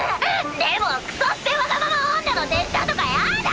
でもクソスペわがまま女の手下とかやだ！